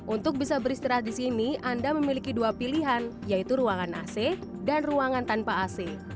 untuk bisa beristirahat di sini anda memiliki dua pilihan yaitu ruangan ac dan ruangan tanpa ac